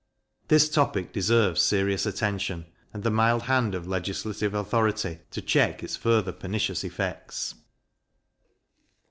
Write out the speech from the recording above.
This topic deserves serious attention, and the mild hand of legislative authority, to check its further pernicious effects.